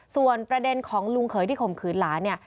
ส่วนประเด็นของลุงเขยที่ข่มขืนหลานเนี่ย